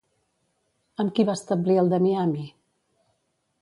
Amb qui va establir el de Miami?